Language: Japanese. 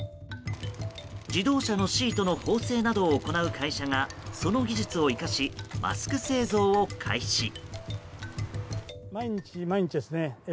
自動車のシートの縫製などを行う会社がその技術を生かしマスク製造を開始。